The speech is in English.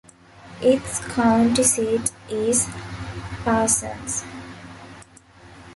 Its county seat is Parsons.